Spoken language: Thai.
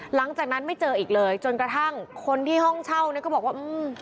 หลังจากนั้นไม่เจออีกเลยจนกระทั่งคนที่ห้องเช่าเนี่ยก็บอกว่าอืม